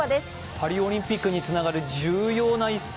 パリオリンピックにつながる重要な一戦。